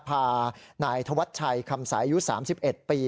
พานายธวัชชัยคำสายอายุ๓๑ปี